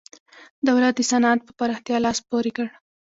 دولت د صنعت پر پراختیا لاس پورې کړ.